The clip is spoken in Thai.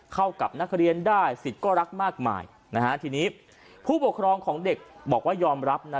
เข้ากับนักเรียนได้สิทธิ์ก็รักมากมายนะฮะทีนี้ผู้ปกครองของเด็กบอกว่ายอมรับนะ